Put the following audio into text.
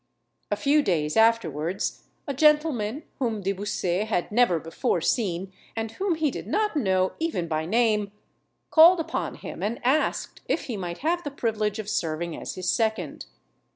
A few days afterwards, a gentleman, whom De Bussy had never before seen, and whom he did not know even by name, called upon him and asked if he might have the privilege of serving as his second.